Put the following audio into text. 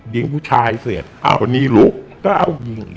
ดิ้งผู้ชายเสร็จอ้าวนี้๑๙๘๔บก็เอาดิ้ง